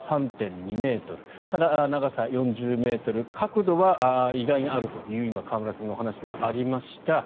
幅３．２ｍただ、長さ４０ｍ角度は意外にあるという今、河村さんのお話もありました。